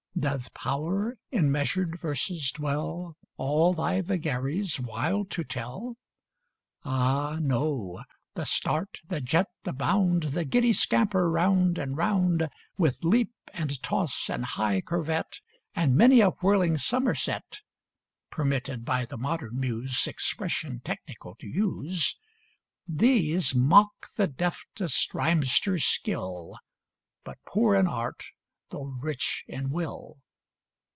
Doth power in measured verses dwell, All thy vagaries wild to tell? Ah, no! the start, the jet, the bound, The giddy scamper round and round, With leap and toss and high curvet, And many a whirling somerset, (Permitted by the modern muse Expression technical to use) These mock the deftest rhymester's skill, But poor in art, though rich in will.